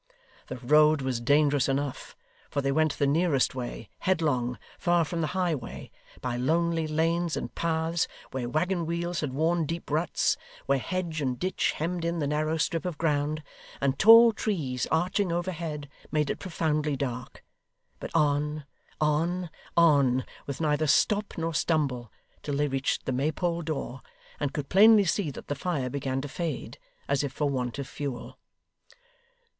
The road was dangerous enough, for they went the nearest way headlong far from the highway by lonely lanes and paths, where waggon wheels had worn deep ruts; where hedge and ditch hemmed in the narrow strip of ground; and tall trees, arching overhead, made it profoundly dark. But on, on, on, with neither stop nor stumble, till they reached the Maypole door, and could plainly see that the fire began to fade, as if for want of fuel.